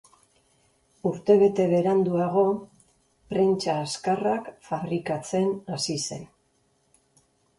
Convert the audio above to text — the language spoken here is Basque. Urte bete beranduago, prentsa azkarrak fabrikatzen hasi zen.